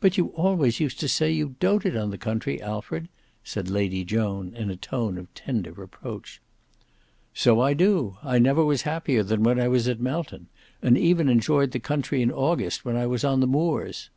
"But you always used to say you doted on the country, Alfred," said Lady Joan in a tone of tender reproach. "So I do; I never was happier than when I was at Melton, and even enjoyed the country in August when I was on the Moors."